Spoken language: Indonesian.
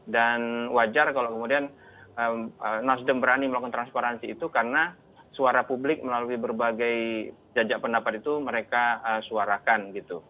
dan wajar kalau kemudian nasdem berani melakukan transparansi itu karena suara publik melalui berbagai jajak pendapat itu mereka suarakan